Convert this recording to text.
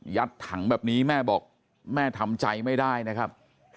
ถังแบบนี้แม่บอกแม่ทำใจไม่ได้นะครับ